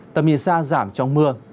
tầm nhìn xa giảm trong mưa